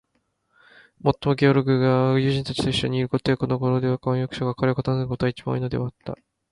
もっとも、ゲオルクが友人たちといっしょにいることや、このごろでは婚約者が彼を訪ねることが、いちばん多いのではあった。